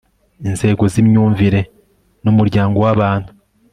inzego z'imyumvire y'umuryango w'abantu